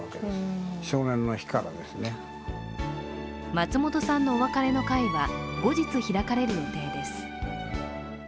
松本さんのお別れの会は後日開かれる予定です。